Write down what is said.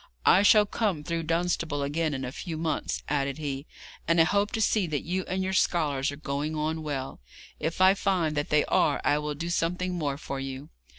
'I shall come through Dunstable again in a few months,' added he, 'and I hope to see that you and your scholars are going on well. If I find that they are I will do something more for you.'